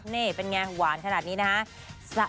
นี่เป็นไงหวานขนาดนี้นะฮะ